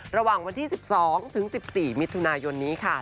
ระหว่างวันที่๑๒ถึง๑๔มิถุนายนนี้ค่ะ